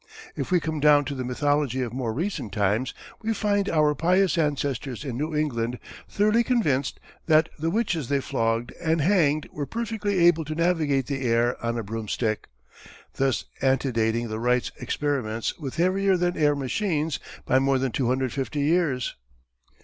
If we come down to the mythology of more recent times we find our pious ancestors in New England thoroughly convinced that the witches they flogged and hanged were perfectly able to navigate the air on a broomstick thus antedating the Wrights' experiments with heavier than air machines by more than 250 years.